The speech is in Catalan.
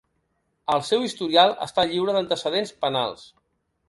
El seu historial està lliure d'antecedents penals.